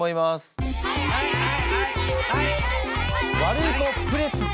ワルイコプレス様。